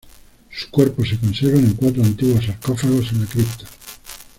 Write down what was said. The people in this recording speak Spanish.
Sus cuerpos se conservan en cuatro antiguos sarcófagos en la cripta.